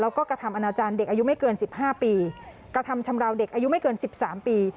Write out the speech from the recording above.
แล้วก็กระทำอนาจารย์เด็กอายุไม่เกินสิบห้าปีกระทำชำราวเด็กอายุไม่เกินสิบสามปี